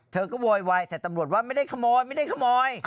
เธอก็โวยวายแต่ตำรวจว่าไม่ได้ขโมยไม่ได้ขโมย